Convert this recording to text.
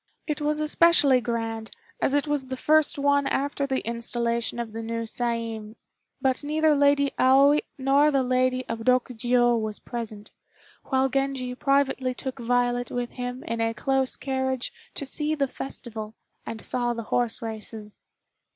It was especially grand, as it was the first one after the installation of the new Saiin, but neither Lady Aoi or the Lady of Rokjiô was present, while Genji privately took Violet with him in a close carriage to see the festival, and saw the horse races.